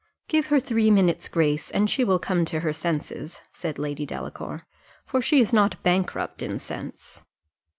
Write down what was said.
"Give her three minutes' grace and she will come to her senses," said Lady Delacour, "for she is not a bankrupt in sense.